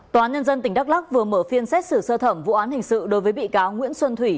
tòa án nhân dân tỉnh đắk lắc vừa mở phiên xét xử sơ thẩm vụ án hình sự đối với bị cáo nguyễn xuân thủy